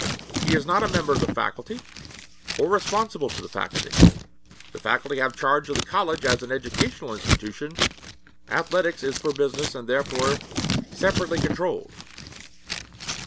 He is not a member of the faculty or responsible to the faculty. The faculty have charge of the college as an educational institution; athletics is for business and therefore separately controlled.